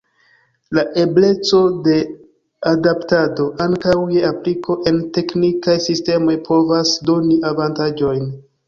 La ebleco de adaptado ankaŭ je apliko en teknikaj sistemoj povas doni avantaĝojn.